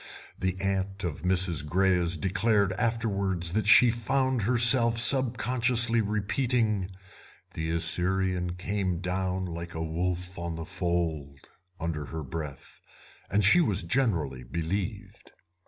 The aunt of Mrs. Greyes declared afterwards that she found herself sub consciously repeating "The Assyrian came down like a wolf on the fold" under her breath, and she was generally believed.